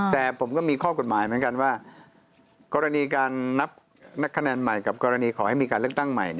แต่ผมก็มีข้อกฎหมายเหมือนกันว่ากรณีการนับคะแนนใหม่กับกรณีขอให้มีการเลือกตั้งใหม่